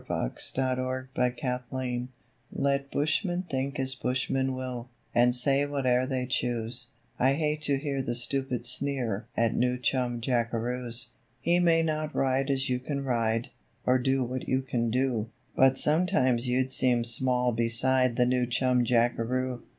THE NEW CHUM JACKAROO Let bushmen think as bushmen will, And say whate'er they choose, I hate to hear the stupid sneer At New Chum Jackaroos. He may not ride as you can ride, Or do what you can do; But sometimes you'd seem small beside The New Chum Jackaroo.